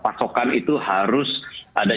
pasokan itu harus ada